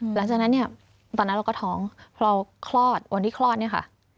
หลังจากนั้นเนี่ยตอนนั้นเราก็ท้องพอเราคลอดวันที่คลอดเนี่ยค่ะ